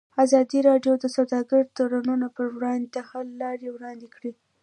ازادي راډیو د سوداګریز تړونونه پر وړاندې د حل لارې وړاندې کړي.